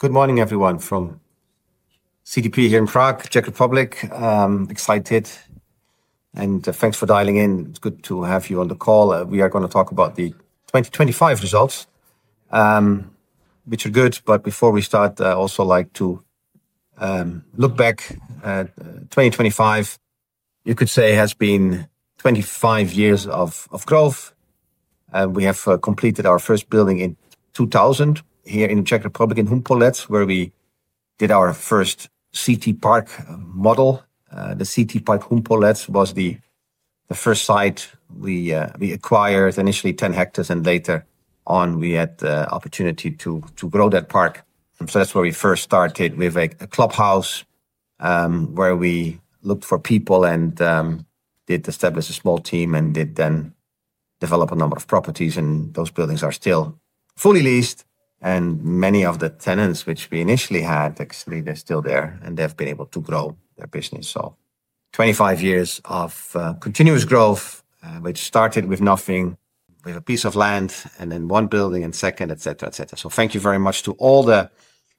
Good morning, everyone, from CTP here in Prague, Czech Republic. Excited and thanks for dialing in. It's good to have you on the call. We are gonna talk about the 2025 results, which are good. Before we start, I'd also like to look back at 2025. You could say has been 25 years of growth, and we have completed our first building in 2000 here in Czech Republic, in Humpolec, where we did our first CTPark model. The CTPark Humpolec was the first site we acquired, initially 10 hectares, and later on we had the opportunity to grow that park. That's where we first started with, like, a clubhouse, where we looked for people and did establish a small team and did then develop a number of properties, and those buildings are still fully leased. Many of the tenants which we initially had, actually, they're still there, and they've been able to grow their business. 25 years of continuous growth, which started with nothing. We have a piece of land and then 1 building and 2nd, et cetera, et cetera. Thank you very much to all the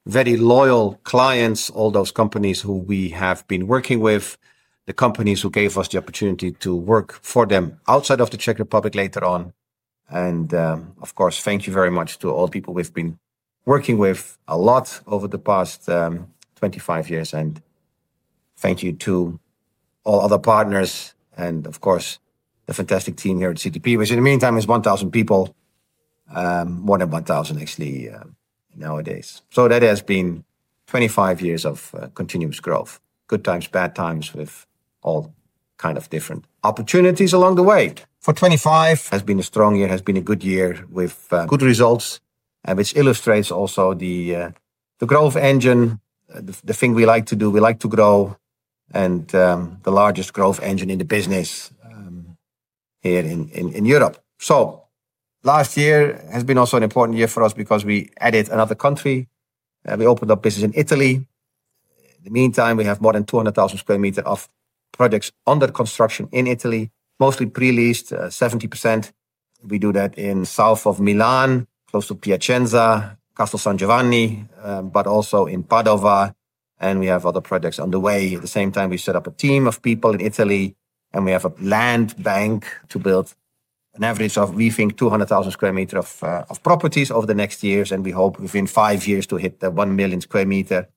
very loyal clients, all those companies who we have been working with, the companies who gave us the opportunity to work for them outside of the Czech Republic later on. Of course, thank you very much to all people we've been working with a lot over the past 25 years, and thank you to all other partners and, of course, the fantastic team here at CTP, which in the meantime, is 1,000 people, more than 1,000 actually, nowadays. That has been 25 years of continuous growth, good times, bad times, with all kind of different opportunities along the way. For 25, has been a strong year, has been a good year with good results, which illustrates also the growth engine, the thing we like to do, we like to grow, and the largest growth engine in the business here in Europe. Last year has been also an important year for us because we added another country, and we opened up business in Italy. In the meantime, we have more than 200,000 square meter of projects under construction in Italy, mostly pre-leased, 70%. We do that in south of Milan, close to Piacenza, Castel San Giovanni, but also in Padova, and we have other projects on the way. At the same time, we set up a team of people in Italy, and we have a land bank to build an average of, we think, 200,000 square meter of properties over the next years, and we hope within five years to hit the 1 million square meter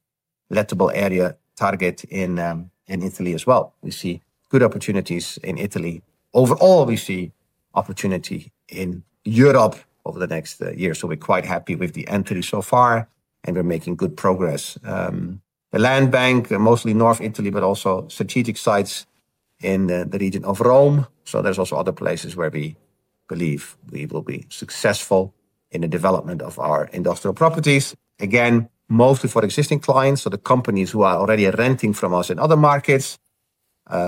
lettable area target in Italy as well. We see good opportunities in Italy. Overall, we see opportunity in Europe over the next years. We're quite happy with the entry so far, we're making good progress. The land bank, mostly North Italy, also strategic sites in the region of Rome. There's also other places where we believe we will be successful in the development of our industrial properties. Again, mostly for existing clients, the companies who are already renting from us in other markets.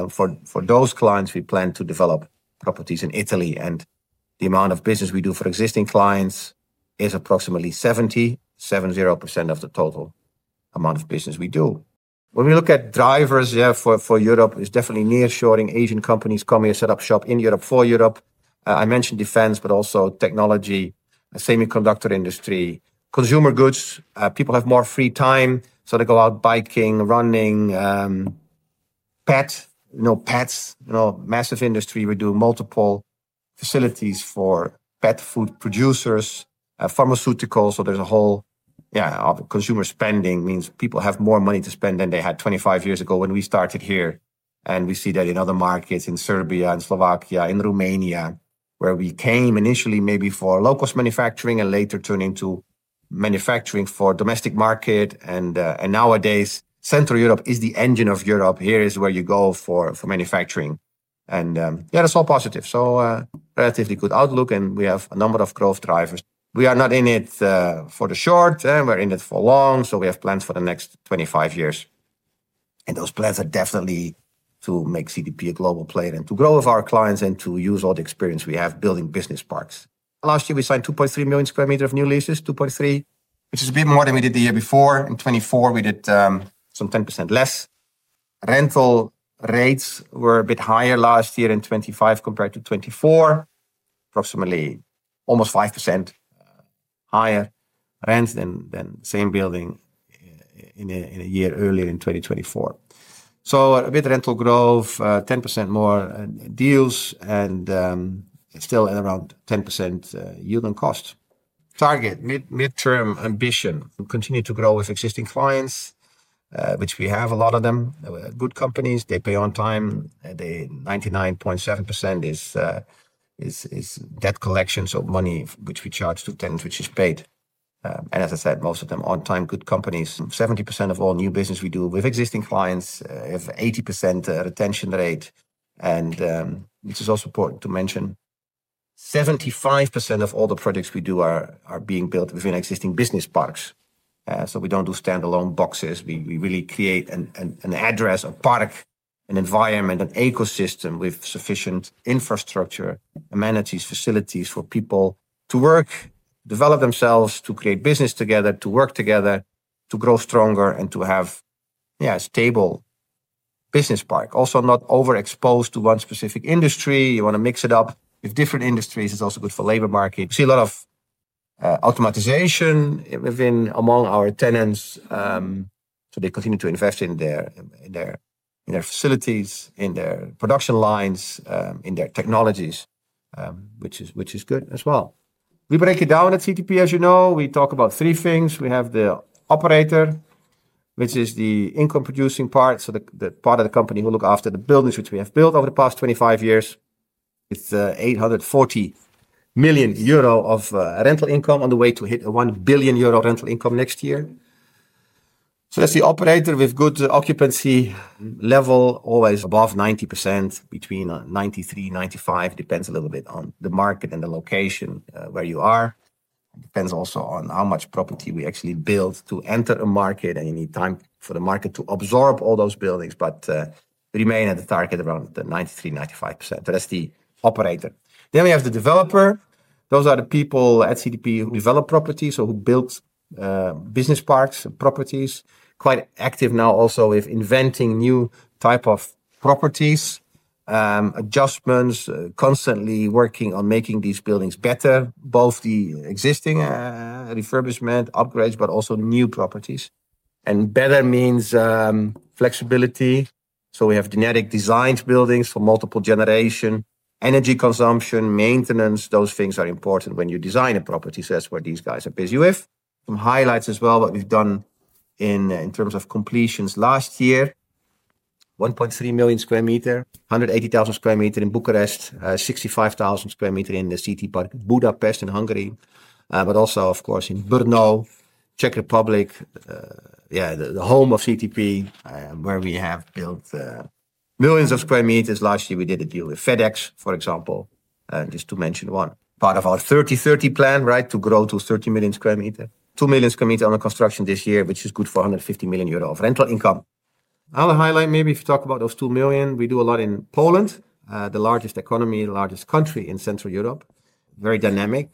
For those clients, we plan to develop properties in Italy. The amount of business we do for existing clients is approximately 70% of the total amount of business we do. When we look at drivers for Europe, it's definitely nearshoring. Asian companies coming to set up shop in Europe, for Europe. I mentioned defense, also technology, semiconductor industry, consumer goods. People have more free time, so they go out biking, running, pet. You know, pets, you know, massive industry. We do multiple facilities for pet food producers, pharmaceuticals. There's a whole Yeah, of consumer spending, means people have more money to spend than they had 25 years ago when we started here. We see that in other markets in Serbia and Slovakia, in Romania, where we came initially maybe for low-cost manufacturing and later turned into manufacturing for domestic market. Nowadays, Central Europe is the engine of Europe. Here is where you go for manufacturing. Yeah, it's all positive, so, relatively good outlook, and we have a number of growth drivers. We are not in it for the short term, we're in it for long. We have plans for the next 25 years. Those plans are definitely to make CTP a global player, to grow with our clients and to use all the experience we have building business parks. Last year, we signed 2.3 million square meter of new leases, 2.3, which is a bit more than we did the year before. In 2024, we did some 10% less. Rental rates were a bit higher last year in 2025 compared to 2024, approximately almost 5% higher rents than same building in a year earlier in 2024. A bit rental growth, 10% more deals and still at around 10% yield on cost. Target, mid- midterm ambition, continue to grow with existing clients, which we have a lot of them. Good companies, they pay on time. The 99.7% is debt collection, so money which we charge to tenants, which is paid. As I said, most of them on time, good companies. 70% of all new business we do with existing clients have 80% retention rate, which is also important to mention. 75% of all the projects we do are being built within existing business parks. We don't do standalone boxes. We really create an address, a park, an environment, an ecosystem with sufficient infrastructure, amenities, facilities for people to work, develop themselves, to create business together, to work together, to grow stronger, and to have, yeah, stable-... business park. Not overexposed to one specific industry. You want to mix it up with different industries. It's also good for labor market. We see a lot of automatization within, among our tenants, so they continue to invest in their facilities, in their production lines, in their technologies, which is good as well. We break it down at CTP, as you know. We talk about three things: we have the operator, which is the income-producing part, so the part of the company who look after the buildings, which we have built over the past 25 years, with 840 million euro of rental income, on the way to hit a 1 billion euro rental income next year. As the operator with good occupancy level, always above 90%, between 93 to 95, depends a little bit on the market and the location where you are. Depends also on how much property we actually build to enter a market, and you need time for the market to absorb all those buildings, but, remain at the target around the 93 to 95%. That's the operator. We have the developer. Those are the people at CTP who develop properties or who build business parks and properties. Quite active now also with inventing new type of properties, adjustments, constantly working on making these buildings better, both the existing refurbishment, upgrades, but also new properties. Bette r means flexibility, so we have genetic designed buildings for multiple generation, energy consumption, maintenance. Those things are important when you design a property, so that's where these guys are busy with. Some highlights as well, what we've done in terms of completions last year, 1.3 million square meter, 180,000 square meter in Bucharest, 65,000 square meter in the CTPark, Budapest, Hungary. Also, of course, in Brno, Czech Republic, the home of CTP, where we have built millions of square meters. Last year we did a deal with FedEx, for example, just to mention one. Part of our 30x30 plan, right, to grow to 30 million square meter. 2 million square meter under construction this year, which is good for 150 million euro of rental income. Another highlight, maybe if you talk about those 2 million, we do a lot in Poland, the largest economy, the largest country in Central Europe. Very dynamic.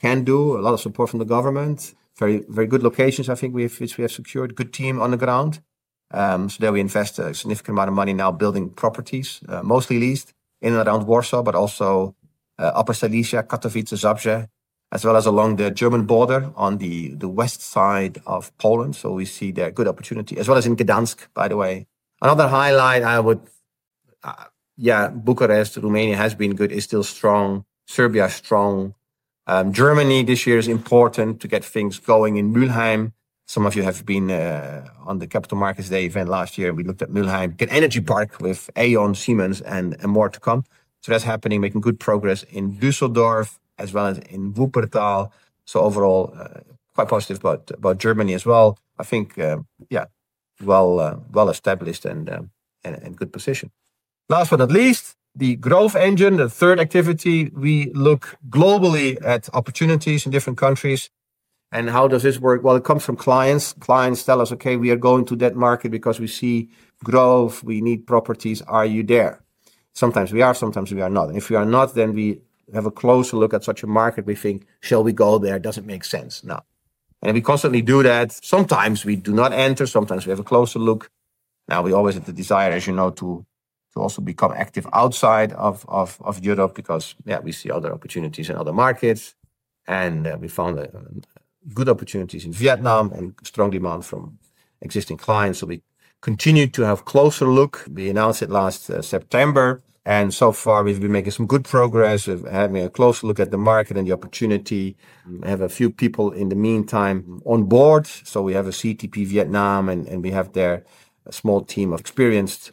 Can do a lot of support from the government. Very, very good locations I think we have secured. Good team on the ground. There we invest a significant amount of money now building properties, mostly leased in and around Warsaw, but also Upper Silesia, Katowice, Zabrze, as well as along the German border on the west side of Poland. We see there good opportunity, as well as in Gdansk, by the way. Another highlight. Yeah, Bucharest, Romania has been good, is still strong. Serbia, strong. Germany this year is important to get things going in Mülheim. Some of you have been on the Capital Markets Day event last year. We looked at Mülheim, get energy park with Aon, Siemens, and more to come. That's happening, making good progress in Düsseldorf as well as in Wuppertal. Overall, quite positive about Germany as well. I think, well established and good position. Last but not least, the growth engine, the third activity, we look globally at opportunities in different countries. How does this work? Well, it comes from clients. Clients tell us, "Okay, we are going to that market because we see growth. We need properties. Are you there?" Sometimes we are, sometimes we are not, and if we are not, then we have a closer look at such a market. We think, "Shall we go there? Does it make sense?" No. We constantly do that. Sometimes we do not enter, sometimes we have a closer look. We always have the desire, as you know, to also become active outside of Europe because we see other opportunities in other markets, and we found good opportunities in Vietnam and strong demand from existing clients, so we continue to have closer look. So far we've been making some good progress with having a close look at the market and the opportunity. We have a few people in the meantime on board, so we have a CTP Vietnam, and we have there a small team of experienced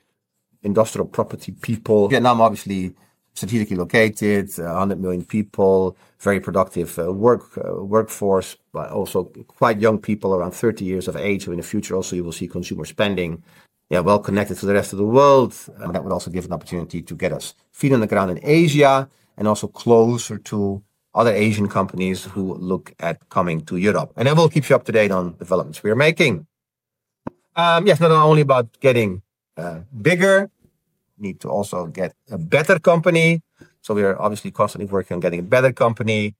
industrial property people. Vietnam, obviously strategically located, 100 million people, very productive workforce, but also quite young people, around 30 years of age, who in the future also you will see consumer spending. Well connected to the rest of the world, that would also give an opportunity to get us feet on the ground in Asia and also closer to other Asian companies who look at coming to Europe. We'll keep you up to date on developments we are making. It's not only about getting bigger, need to also get a better company. We are obviously constantly working on getting a better company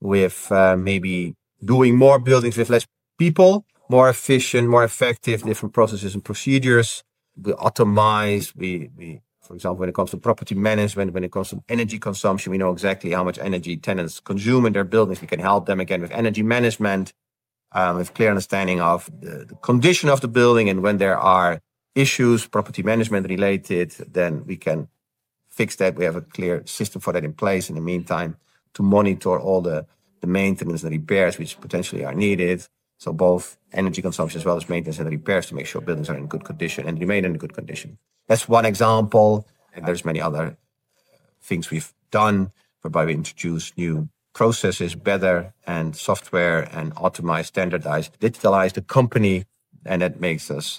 with maybe doing more buildings with less people, more efficient, more effective, different processes and procedures. We automate, we... For example, when it comes to property management, when it comes to energy consumption, we know exactly how much energy tenants consume in their buildings. We can help them, again, with energy management, with clear understanding of the condition of the building, and when there are issues, property management related, then we can fix that. We have a clear system for that in place in the meantime, to monitor all the maintenance and repairs which potentially are needed. Both energy consumption as well as maintenance and repairs, to make sure buildings are in good condition and remain in good condition. That's one example. There's many other things we've done, whereby we introduce new processes better and software and automize, standardize, digitalize the company, and that makes us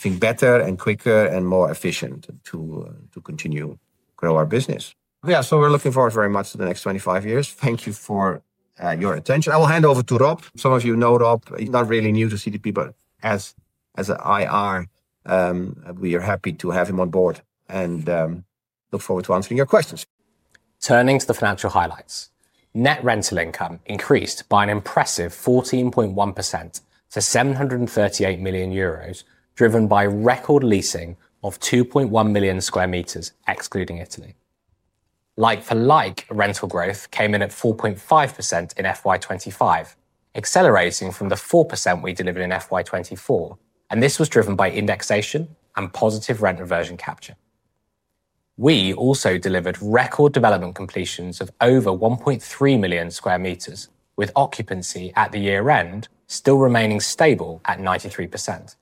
think better and quicker and more efficient to continue grow our business. We're looking forward very much to the next 25 years. Thank you for your attention. I will hand over to Rob. Some of you know Rob. He's not really new to CTP, but as our IR, we are happy to have him on board and look forward to answering your questions. Turning to the financial highlights. Net rental income increased by an impressive 14.1% to 738 million euros, driven by record leasing of 2.1 million square meters, excluding Italy. Like-for-like, rental growth came in at 4.5% in FY 2025, accelerating from the 4% we delivered in FY 2024. This was driven by indexation and positive rent reversion capture. We also delivered record development completions of over 1.3 million square meters, with occupancy at the year-end still remaining stable at 93%.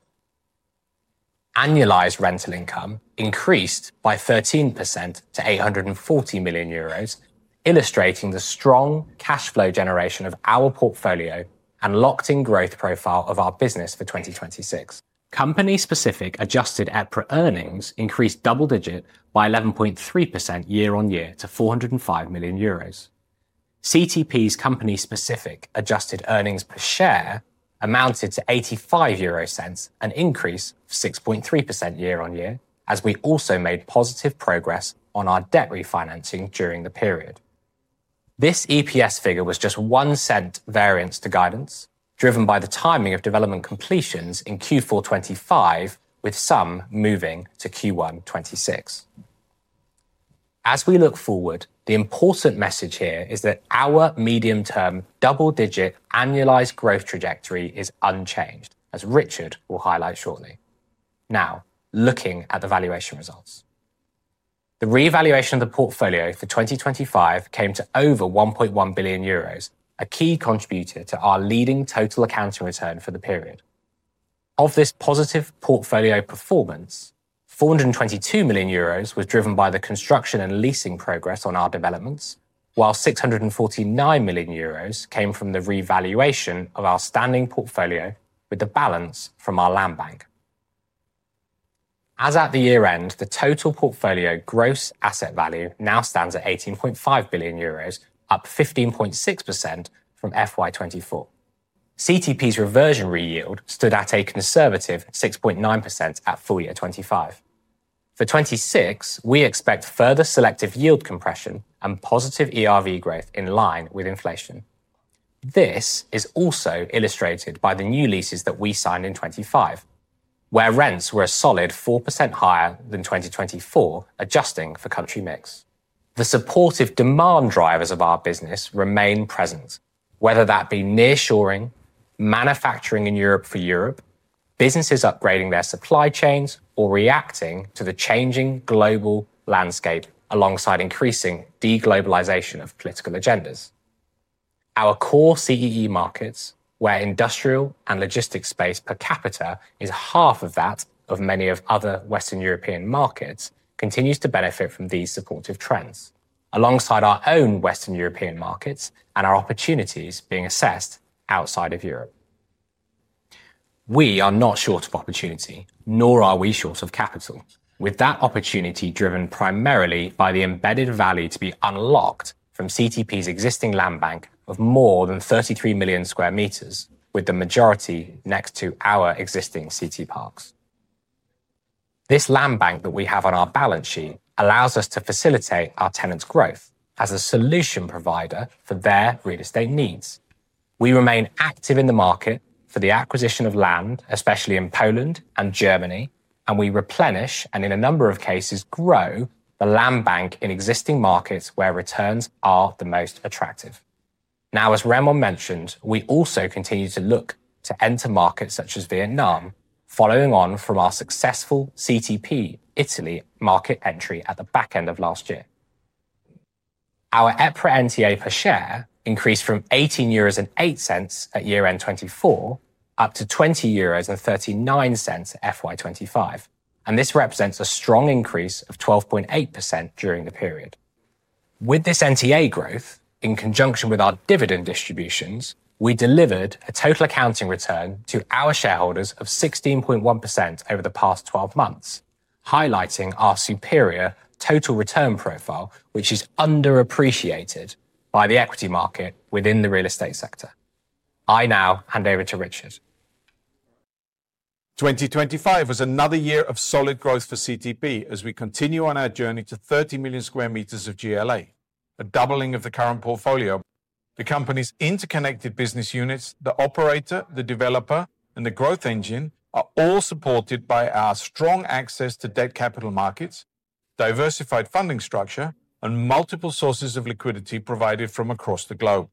Annualized rental income increased by 13% to 840 million euros, illustrating the strong cash flow generation of our portfolio and locked-in growth profile of our business for 2026. Company-specific adjusted EPRA earnings increased double digit by 11.3% year-on-year to EUR 405 million. CTP's company-specific adjusted earnings per share amounted to 0.85, an increase of 6.3% year-on-year, as we also made positive progress on our debt refinancing during the period. This EPS figure was just 0.01 variance to guidance, driven by the timing of development completions in Q4 2025, with some moving to Q1 2026. As we look forward, the important message here is that our medium-term, double-digit, annualized growth trajectory is unchanged, as Richard will highlight shortly. Now, looking at the valuation results. The revaluation of the portfolio for 2025 came to over 1.1 billion euros, a key contributor to our leading total accounting return for the period. Of this positive portfolio performance, 422 million euros was driven by the construction and leasing progress on our developments, while 649 million euros came from the revaluation of our standing portfolio, with the balance from our land bank. As at the year-end, the total portfolio gross asset value now stands at 18.5 billion euros, up 15.6% from FY 2024. CTP's reversionary yield stood at a conservative 6.9% at full year 2025. For 2026, we expect further selective yield compression and positive ERV growth in line with inflation. This is also illustrated by the new leases that we signed in 2025, where rents were a solid 4% higher than 2024, adjusting for country mix. The supportive demand drivers of our business remain present, whether that be nearshoring, manufacturing in Europe for Europe, businesses upgrading their supply chains, or reacting to the changing global landscape alongside increasing deglobalization of political agendas. Our core CEE markets, where industrial and logistics space per capita is half of that of many of other Western European markets, continues to benefit from these supportive trends, alongside our own Western European markets and our opportunities being assessed outside of Europe. We are not short of opportunity, nor are we short of capital, with that opportunity driven primarily by the embedded value to be unlocked from CTP's existing land bank of more than 33 million square meters, with the majority next to our existing CTParks. This land bank that we have on our balance sheet allows us to facilitate our tenants' growth as a solution provider for their real estate needs. We remain active in the market for the acquisition of land, especially in Poland and Germany, we replenish, and in a number of cases, grow the land bank in existing markets where returns are the most attractive. As Remon mentioned, we also continue to look to enter markets such as Vietnam, following on from our successful CTP Italy market entry at the back end of last year. Our EPRA NTA per share increased from 18.08 euros at year-end 2024, up to 20.39 euros FY 2025, this represents a strong increase of 12.8% during the period. With this NTA growth, in conjunction with our dividend distributions, we delivered a total accounting return to our shareholders of 16.1% over the past 12 months, highlighting our superior total return profile, which is underappreciated by the equity market within the real estate sector. I now hand over to Richard. 2025 was another year of solid growth for CTP as we continue on our journey to 30 million square meters of GLA, a doubling of the current portfolio. The company's interconnected business units, the operator, the developer, and the growth engine, are all supported by our strong access to debt capital markets, diversified funding structure, and multiple sources of liquidity provided from across the globe.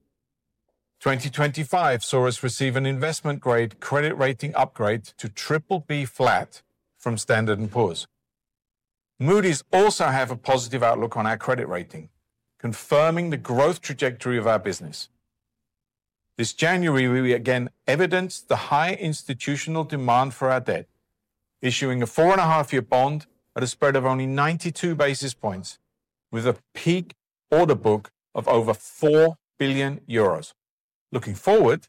2025 saw us receive an investment-grade credit rating upgrade to BBB- from Standard & Poor's. Moody's also have a positive outlook on our credit rating, confirming the growth trajectory of our business. This January, we again evidenced the high institutional demand for our debt, issuing a four-and-a-half-year bond at a spread of only 92 basis points, with a peak order book of over 4 billion euros. Looking forward,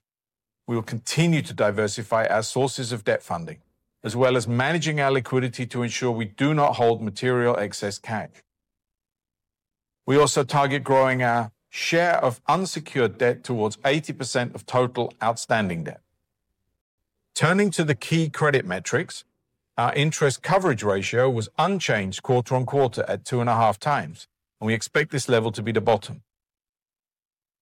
we will continue to diversify our sources of debt funding, as well as managing our liquidity to ensure we do not hold material excess cash. We also target growing our share of unsecured debt towards 80% of total outstanding debt. Turning to the key credit metrics, our interest coverage ratio was unchanged quarter-on-quarter at 2.5x. We expect this level to be the bottom.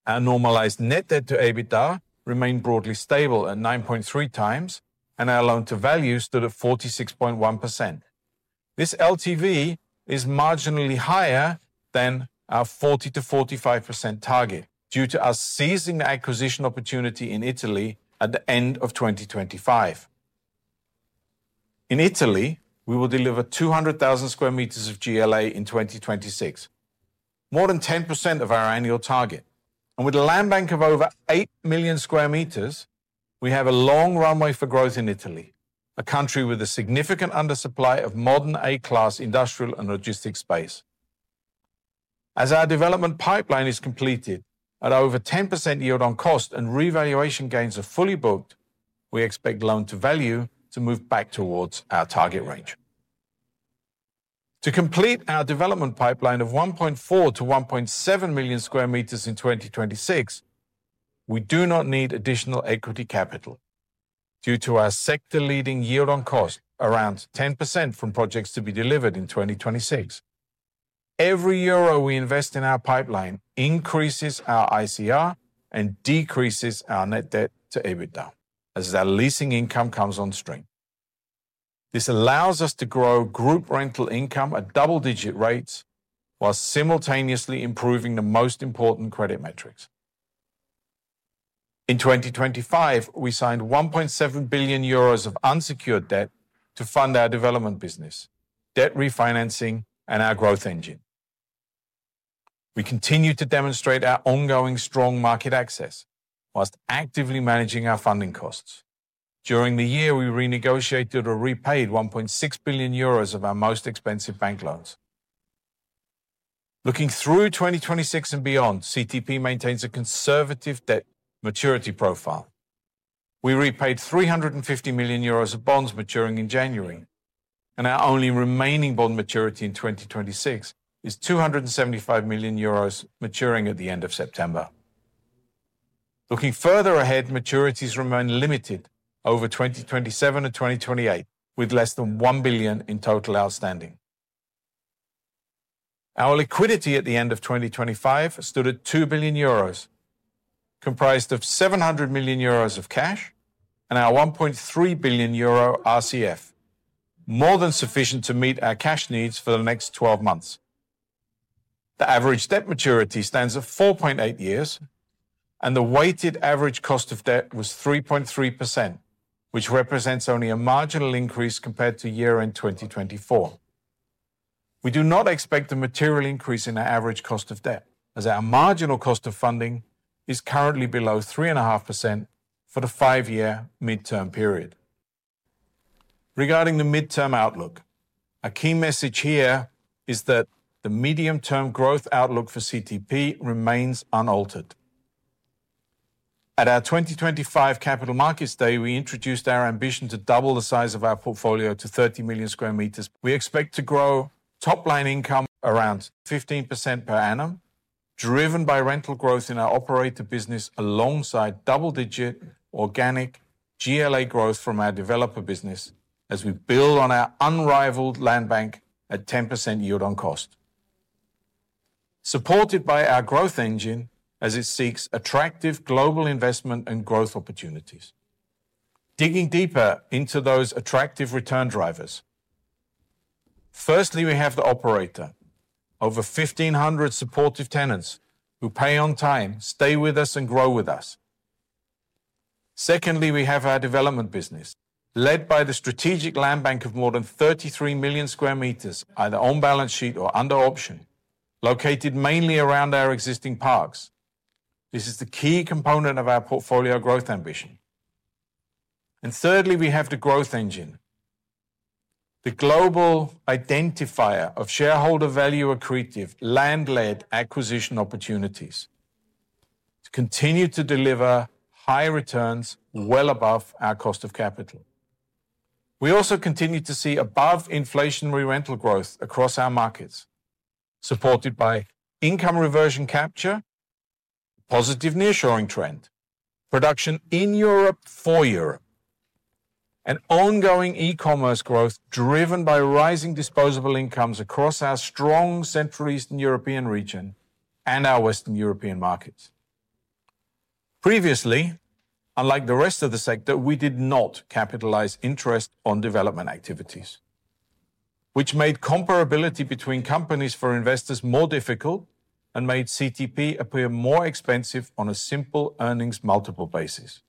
Our normalized net debt to EBITDA remained broadly stable at 9.3x. Our loan to value stood at 46.1%. This LTV is marginally higher than our 40 to 45% target, due to us seizing the acquisition opportunity in Italy at the end of 2025. In Italy, we will deliver 200,000 square meters of GLA in 2026, more than 10% of our annual target. With a land bank of over 8 million square meters, we have a long runway for growth in Italy, a country with a significant undersupply of modern Class A industrial and logistics space. As our development pipeline is completed, at over 10% yield on cost and revaluation gains are fully booked, we expect loan to value to move back towards our target range. To complete our development pipeline of 1.4 million-1.7 million square meters in 2026, we do not need additional equity capital due to our sector-leading yield on cost, around 10% from projects to be delivered in 2026. Every EUR we invest in our pipeline increases our ICR and decreases our net debt to EBITDA, as our leasing income comes on stream. This allows us to grow group rental income at double-digit rates, while simultaneously improving the most important credit metrics. In 2025, we signed 1.7 billion euros of unsecured debt to fund our development business, debt refinancing, and our growth engine. We continue to demonstrate our ongoing strong market access whilst actively managing our funding costs. During the year, we renegotiated or repaid 1.6 billion euros of our most expensive bank loans. Looking through 2026 and beyond, CTP maintains a conservative debt maturity profile. We repaid 350 million euros of bonds maturing in January. Our only remaining bond maturity in 2026 is 275 million euros maturing at the end of September. Looking further ahead, maturities remain limited over 2027-2028, with less than 1 billion in total outstanding. Our liquidity at the end of 2025 stood at 2 billion euros, comprised of 700 million euros of cash and our 1.3 billion euro RCF, more than sufficient to meet our cash needs for the next 12 months. The average debt maturity stands at 4.8 years, and the weighted average cost of debt was 3.3%, which represents only a marginal increase compared to year-end 2024. We do not expect a material increase in our average cost of debt, as our marginal cost of funding is currently below 3.5% for the 5-year midterm period. Regarding the midterm outlook, a key message here is that the medium-term growth outlook for CTP remains unaltered. At our 2025 Capital Markets Day, we introduced our ambition to double the size of our portfolio to 30 million square meters. We expect to grow top-line income around 15% per annum, driven by rental growth in our operator business, alongside double-digit organic GLA growth from our developer business, as we build on our unrivaled land bank at 10% yield on cost. Supported by our growth engine, as it seeks attractive global investment and growth opportunities. Digging deeper into those attractive return drivers. Firstly, we have the operator: over 1,500 supportive tenants who pay on time, stay with us, and grow with us. Secondly, we have our development business, led by the strategic land bank of more than 33 million square meters, either on-balance sheet or under option, located mainly around our existing parks. This is the key component of our portfolio growth ambition. Thirdly, we have the growth engine. The global identifier of shareholder value accretive, land-led acquisition opportunities to continue to deliver high returns well above our cost of capital. We also continue to see above-inflationary rental growth across our markets, supported by income reversion capture, positive nearshoring trend, production in Europe for Europe, and ongoing e-commerce growth driven by rising disposable incomes across our strong Central Eastern European region and our Western European markets. Previously, unlike the rest of the sector, we did not capitalize interest on development activities, which made comparability between companies for investors more difficult and made CTP appear more expensive on a simple earnings multiple basis.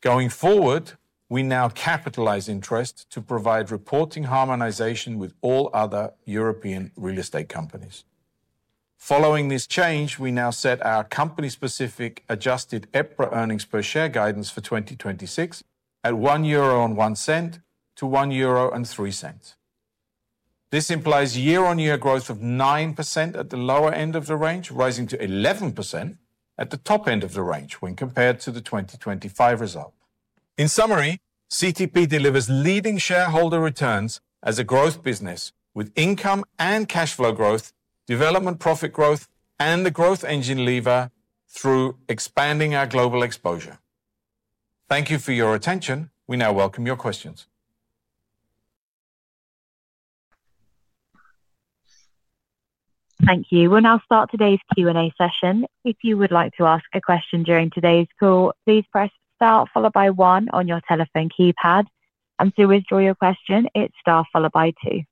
Going forward, we now capitalize interest to provide reporting harmonization with all other European real estate companies. Following this change, we now set our company-specific adjusted EPRA earnings per share guidance for 2026 at 1.01-1.03 euro. This implies year-on-year growth of 9% at the lower end of the range, rising to 11% at the top end of the range when compared to the 2025 result. In summary, CTP delivers leading shareholder returns as a growth business with income and cash flow growth, development profit growth, and the growth engine.... through expanding our global exposure. Thank you for your attention. We now welcome your questions. Thank you. We'll now start today's Q&A session. If you would like to ask a question during today's call, please press star followed by one on your telephone keypad. To withdraw your question, it's star followed by two.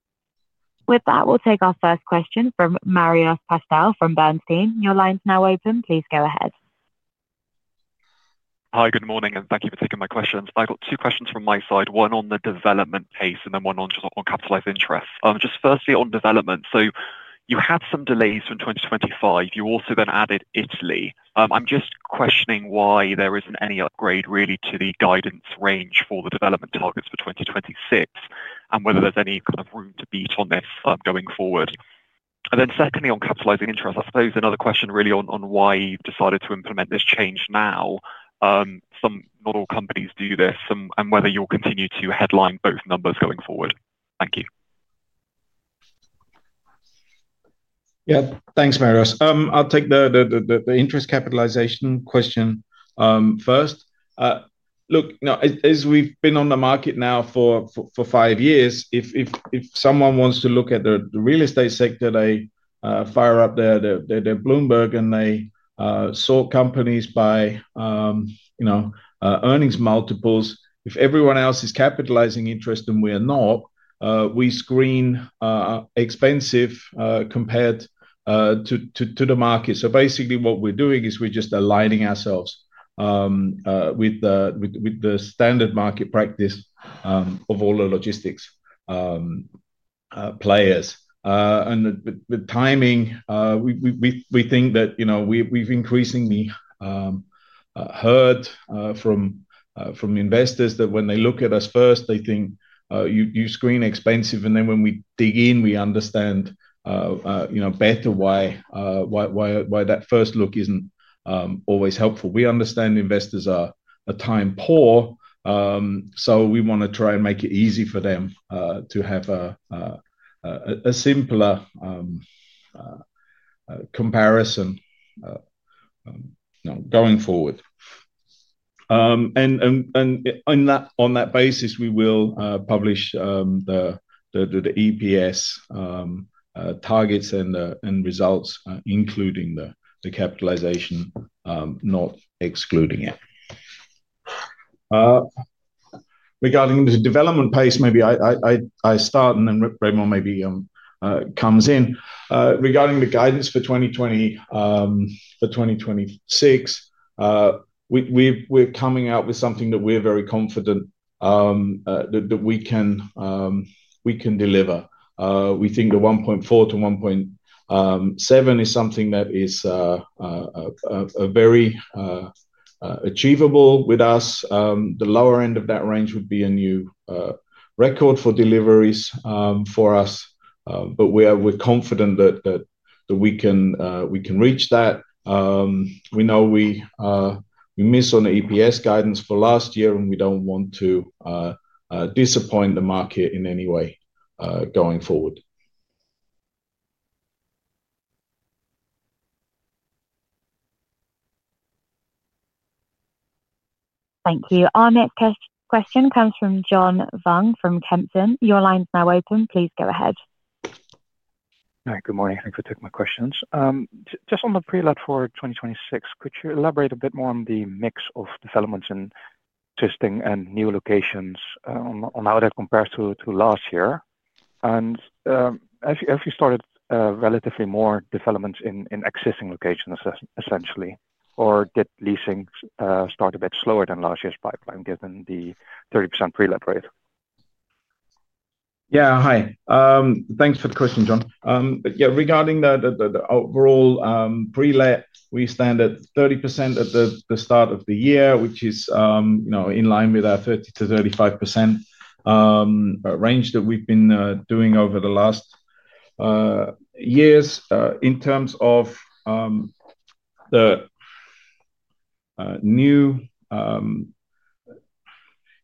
With that, we'll take our first question from Marios Pastou from Bernstein. Your line's now open. Please go ahead. Hi, good morning. Thank you for taking my questions. I've got two questions from my side, one on the development pace and then one on just on capitalized interest. Just firstly, on development, you had some delays from 2025. You also added Italy. I'm just questioning why there isn't any upgrade really to the guidance range for the development targets for 2026, and whether there's any kind of room to beat on this going forward. Secondly, on capitalizing interest, I suppose another question really on why you've decided to implement this change now. Some, not all companies do this, whether you'll continue to headline both numbers going forward. Thank you. Yeah, thanks, Marios Pastou. I'll take the interest capitalization question first. Look, now, as we've been on the market now for 5 years, if someone wants to look at the real estate sector, they fire up their Bloomberg, and they sort companies by, you know, earnings multiples. If everyone else is capitalizing interest, and we are not, we screen expensive compared to the market. Basically, what we're doing is we're just aligning ourselves with the standard market practice of all the logistics players. The timing, we think that, you know, we've increasingly heard from investors that when they look at us first, they think, "You, you screen expensive." Then when we dig in, we understand, you know, better why that first look isn't always helpful. We understand investors are time poor, so we wanna try and make it easy for them to have a simpler comparison, you know, going forward. On that, on that basis, we will publish the EPS targets and results, including the capitalization, not excluding it. Regarding the development pace, maybe I start, and then Remon maybe comes in. Regarding the guidance for 2020, for 2026, we're coming out with something that we're very confident that we can deliver. We think the 1.4-1.7 is something that is very achievable with us. The lower end of that range would be a new record for deliveries for us, but we're confident that we can reach that. We know we missed on the EPS guidance for last year, and we don't want to disappoint the market in any way going forward. Thank you. Our next question comes from John Vuong from Kempen. Your line's now open, please go ahead. Hi, good morning. Thank you for taking my questions. Just on the pre-let for 2026, could you elaborate a bit more on the mix of developments in existing and new locations, on how that compares to last year? Have you started relatively more developments in existing locations essentially, or did leasing start a bit slower than last year's pipeline, given the 30% pre-let rate? Yeah, hi. Thanks for the question, John. Yeah, regarding the overall pre-let, we stand at 30% at the start of the year, which is, you know, in line with our 30 to 35% range that we've been doing over the last years. In terms of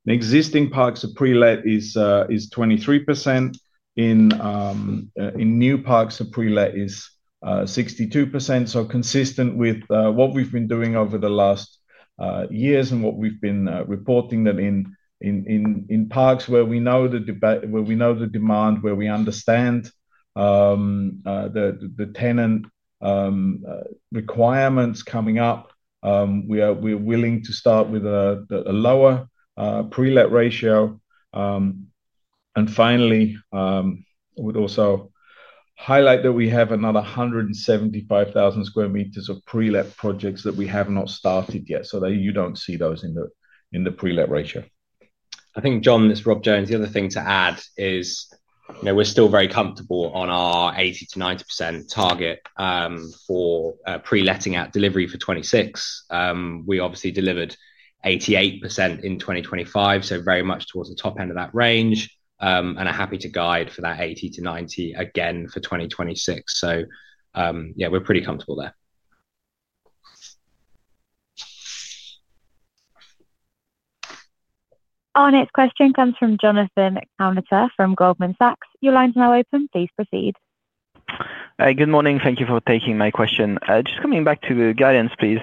existing parks, the pre-let is 23%. In new parks, the pre-let is 62%. Consistent with what we've been doing over the last years and what we've been reporting that in parks where we know the demand, where we understand the tenant requirements coming up, we are, we're willing to start with a lower pre-let ratio. Finally, I would also highlight that we have another 175,000 square meters of pre-let projects that we have not started yet. You don't see those in the pre-let ratio. I think, John, this is Rob Jones. The other thing to add is, you know, we're still very comfortable on our 80 to 90% target for pre-letting at delivery for 2026. We obviously delivered 88% in 2025, so very much towards the top end of that range, and are happy to guide for that 80 to 90% again for 2026. Yeah, we're pretty comfortable there. Our next question comes from Jonathan Kownator from Goldman Sachs. Your line is now open. Please proceed. Good morning. Thank you for taking my question. Just coming back to the guidance, please.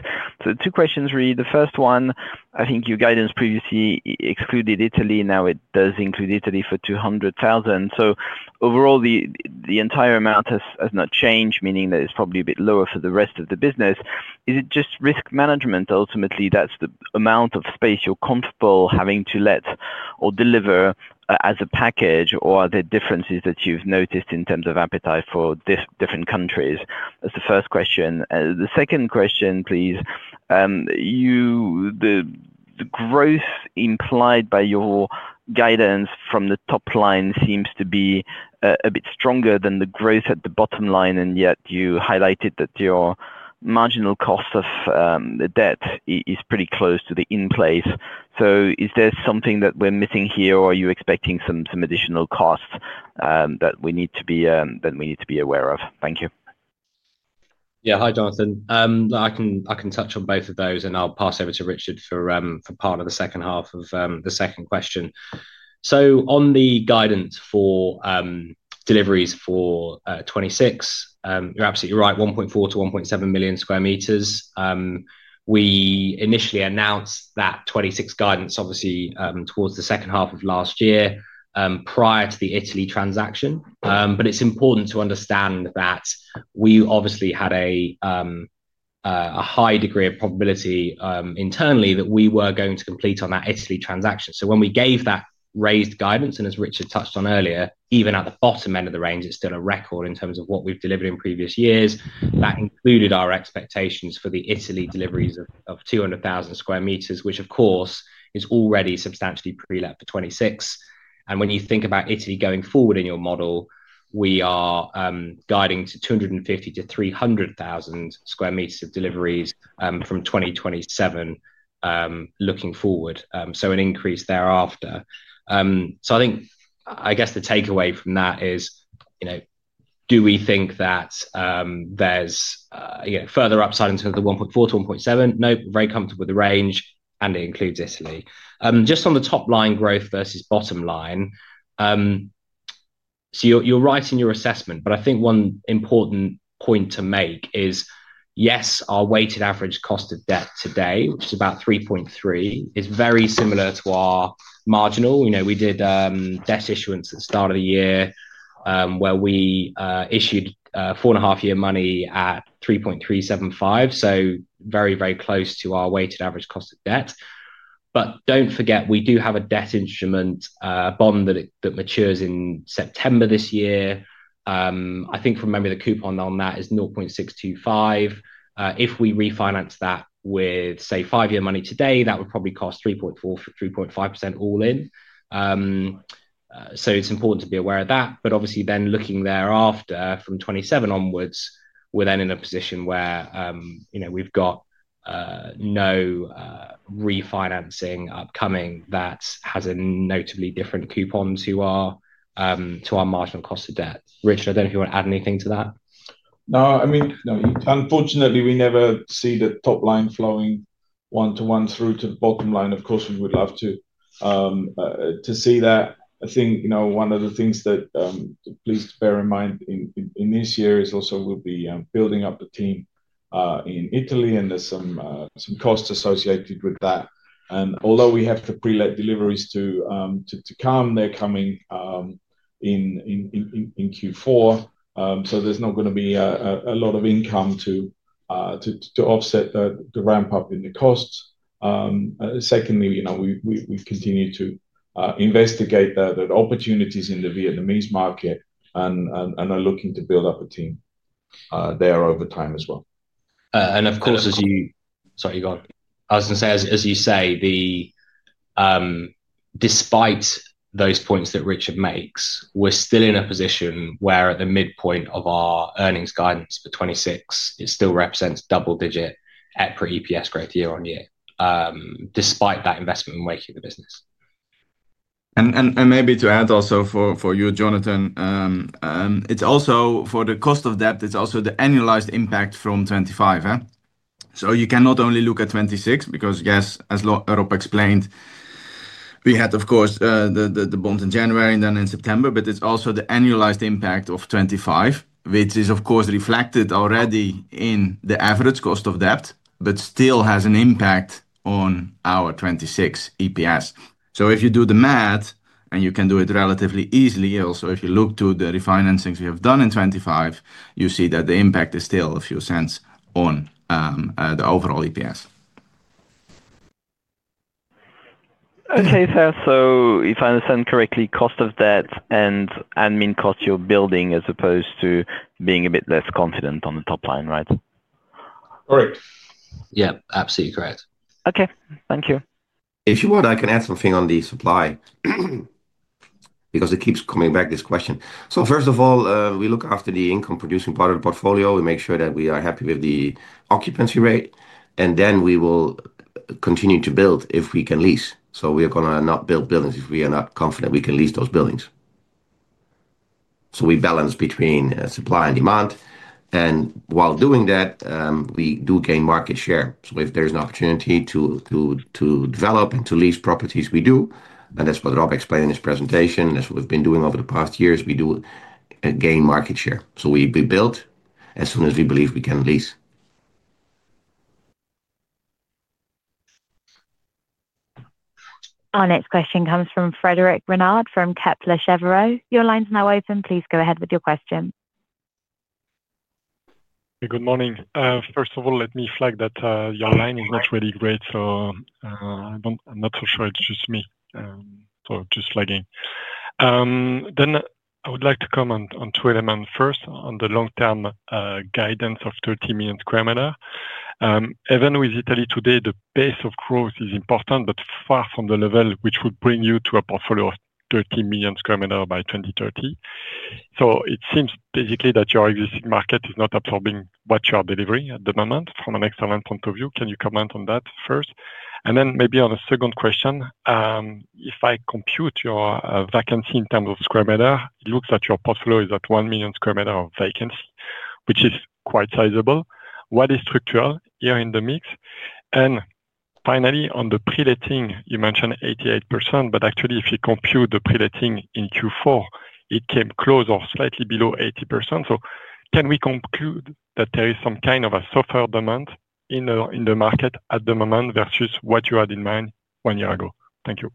Two questions, really. The first one, I think your guidance previously excluded Italy, now it does include Italy for 200,000. Overall, the entire amount has not changed, meaning that it's probably a bit lower for the rest of the business. Is it just risk management, ultimately, that's the amount of space you're comfortable having to let or deliver as a package, or are there differences that you've noticed in terms of appetite for different countries? That's the first question. The second question, please, the growth implied by your guidance from the top line seems to be a bit stronger than the growth at the bottom line, yet you highlighted that your marginal cost of the debt is pretty close to the in place. Is there something that we're missing here, or are you expecting some additional costs that we need to be aware of? Thank you. Yeah. Hi, Jonathan. I can touch on both of those, and I'll pass over to Richard for part of the second half of the second question. On the guidance for deliveries for 2026, you're absolutely right, 1.4-1.7 million square meters. We initially announced that 2026 guidance, obviously, towards the second half of last year, prior to the CTP Italy transaction. It's important to understand that we obviously had a high degree of probability internally that we were going to complete on that CTP Italy transaction. When we gave that raised guidance, and as Richard touched on earlier, even at the bottom end of the range, it's still a record in terms of what we've delivered in previous years. That included our expectations for the Italy deliveries of 200,000 square meters, which of course, is already substantially pre-let for 2026. When you think about Italy going forward in your model, we are guiding to 250,000-300,000 square meters of deliveries from 2027, looking forward, so an increase thereafter. I think, I guess the takeaway from that is, you know, do we think that there's, you know, further upside in terms of the 1.4-1.7? No, very comfortable with the range, and it includes Italy. Just on the top line growth versus bottom line, you're right in your assessment, but I think one important point to make is, yes, our weighted average cost of debt today, which is about 3.3%, is very similar to our marginal. You know, we did debt issuance at the start of the year, where we issued 4.5-year money at 3.375%, so very, very close to our weighted average cost of debt. Don't forget, we do have a debt instrument, bond that matures in September this year. I think from memory, the coupon on that is 0.625%. If we refinance that with, say, 5-year money today, that would probably cost 3.4 to 3.5% all in. It's important to be aware of that, but obviously then, looking thereafter from 2027 onwards, we're then in a position where, you know, we've got no refinancing upcoming that has a notably different coupon to our marginal cost of debt. Richard, I don't know if you want to add anything to that? No, I mean, no, unfortunately, we never see the top line flowing 1 to 1 through to the bottom line. Of course, we would love to see that. I think, you know, one of the things that please bear in mind in, in this year is also we'll be building up a team in Italy, and there's some costs associated with that. Although we have to pre-let deliveries to come, they're coming in Q4. There's not gonna be a lot of income to offset the ramp-up in the costs. Secondly, you know, we've continued to investigate the opportunities in the Vietnamese market and are looking to build up a team there over time as well. Of course, as you say, the, despite those points that Richard makes, we're still in a position where at the midpoint of our earnings guidance for 2026, it still represents double-digit at per EPS growth year-on-year, despite that investment in making the business. Maybe to add also for you, Jonathan, it's also for the cost of debt, it's also the annualized impact from 2025, huh? You cannot only look at 2026 because, yes, as Rob explained, we had, of course, the bonds in January and then in September, but it's also the annualized impact of 2025, which is, of course, reflected already in the average cost of debt, but still has an impact on our 2026 EPS. If you do the math, and you can do it relatively easily, also, if you look to the refinancings we have done in 2025, you see that the impact is still a few EUR cents on the overall EPS. Okay, sir. If I understand correctly, cost of debt and admin cost, you're building as opposed to being a bit less confident on the top line, right? Correct. Yeah, absolutely correct. Okay, thank you. If you want, I can add something on the supply, because it keeps coming back, this question. First of all, we look after the income-producing part of the portfolio. We make sure that we are happy with the occupancy rate, and then we will continue to build if we can lease. We are gonna not build buildings if we are not confident we can lease those buildings. We balance between supply and demand, and while doing that, we do gain market share. If there's an opportunity to develop and to lease properties, we do, and that's what Rob Jones explained in his presentation, that's what we've been doing over the past years. We do gain market share. We build as soon as we believe we can lease. Our next question comes from Frederic Renard from Kepler Cheuvreux. Your line is now open, please go ahead with your question. Good morning. First of all, let me flag that your line is not really great. I'm not so sure it's just me. Just lagging. I would like to comment on two element. First, on the long-term guidance of 30 million square meter. Even with Italy today, the pace of growth is important, but far from the level which would bring you to a portfolio of 30 million square meter by 2030. It seems basically that your existing market is not absorbing what you are delivering at the moment from an external point of view. Can you comment on that first? Maybe on a second question, if I compute your vacancy in terms of square meter, it looks like your portfolio is at 1 million square meter of vacancy, which is quite sizable. What is structural here in the mix? Finally, on the pre-letting, you mentioned 88%, but actually, if you compute the pre-letting in Q4, it came close or slightly below 80%. Can we conclude that there is some kind of a softer demand in the, in the market at the moment versus what you had in mind one year ago? Thank you.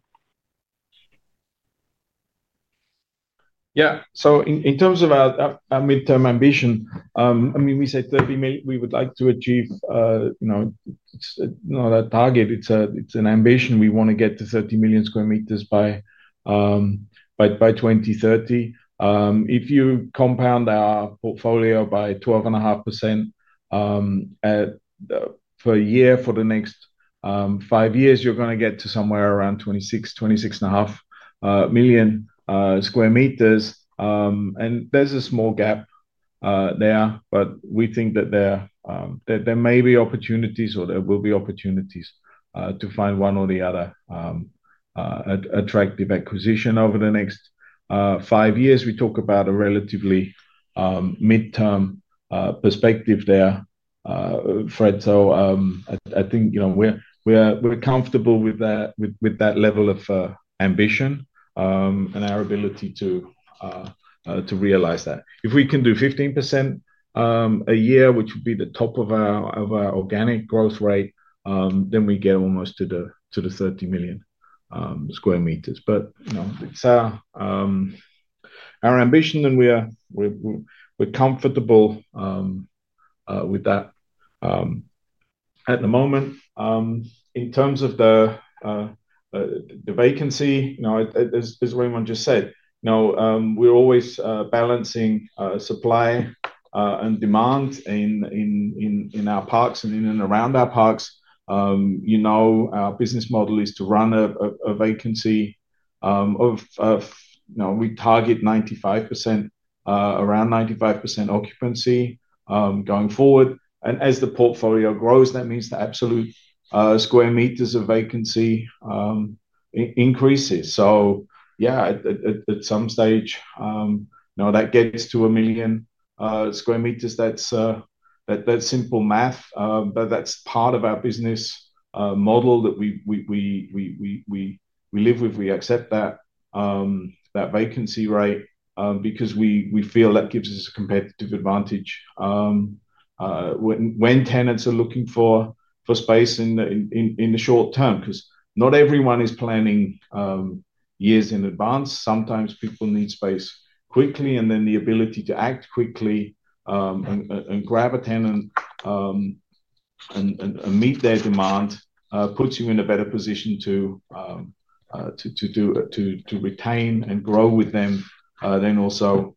Yeah. In, in terms of our, our midterm ambition, I mean, we said 30 million, we would like to achieve, you know, it's not a target, it's a, it's an ambition. We want to get to 30 million square meters by 2030. If you compound our portfolio by 12.5% at per year for the next 5 years, you're gonna get to somewhere around 26.5 million square meters. There's a small gap there, but we think that there may be opportunities or there will be opportunities to find one or the other attractive acquisition over the next 5 years. We talk about a relatively midterm perspective there, Fred. I think, you know, we're, we're comfortable with that level of ambition and our ability to realize that. If we can do 15% a year, which would be the top of our organic growth rate, then we get almost to the 30 million square meters. You know, it's our ambition and we are, we're comfortable with that at the moment. In terms of the vacancy, you know, as Raymond just said, you know, we're always balancing supply and demand in our parks and in and around our parks. You know, our business model is to run a vacancy of... You know, we target 95% around 95% occupancy going forward. As the portfolio grows, that means the absolute square meters of vacancy increases. Yeah, at some stage now that gets to 1 million square meters, that's simple math. That's part of our business model that we live with. We accept that vacancy rate because we feel that gives us a competitive advantage when tenants are looking for space in the short term 'cause not everyone is planning years in advance. Sometimes people need space quickly, and then the ability to act quickly, and grab a tenant, and meet their demand, puts you in a better position to retain and grow with them, then also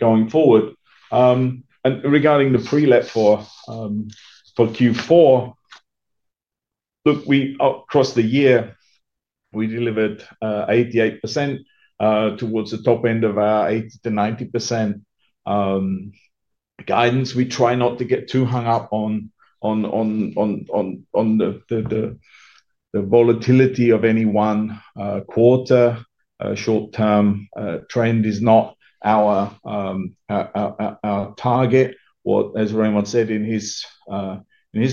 going forward. Regarding the pre-let for Q4, look, across the year, we delivered 88% towards the top end of our 80 to 90% guidance. We try not to get too hung up on the volatility of any one quarter. Short-term trend is not our target. Well, as Raymond said in his